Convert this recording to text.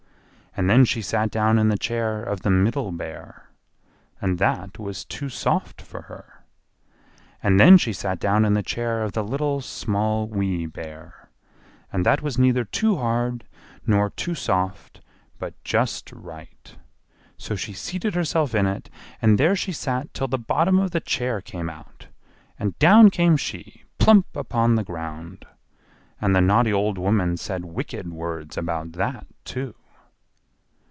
And then she sat down in the chair of the Middle Bear, and that was too soft for her. And then she sat down in the chair of the Little Small, Wee Bear, and that was neither too hard nor too soft, but just right. So she seated herself in it, and there she sat till the bottom of the chair came out, and down came she, plump upon the ground. And the naughty old woman said wicked words about that, too.